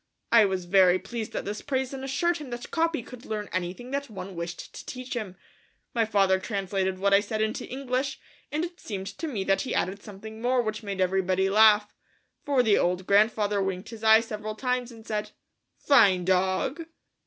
I was very pleased at this praise and assured him that Capi could learn anything that one wished to teach him. My father translated what I said into English, and it seemed to me that he added something more which made everybody laugh, for the old grandfather winked his eye several times and said, "Fine dog!"